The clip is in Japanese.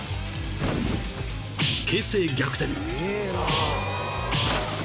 ［形勢逆転！］